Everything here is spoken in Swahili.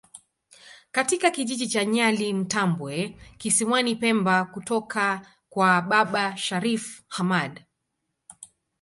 katika kijiji cha Nyali Mtambwe kisiwani pemba kutoka kwa baba Sharif Hamad